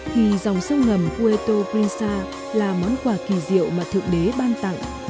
thì dòng sâu ngầm puerto princesa là món quà kỳ diệu mà thượng đế ban tặng